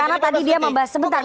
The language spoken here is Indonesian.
karena tadi dia membahas